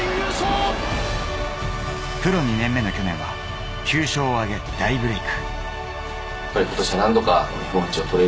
プロ２年目の去年は９勝を挙げ大ブレーク。